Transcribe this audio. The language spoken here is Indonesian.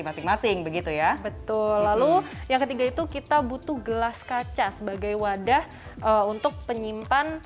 masing masing begitu ya betul lalu yang ketiga itu kita butuh gelas kaca sebagai wadah untuk penyimpan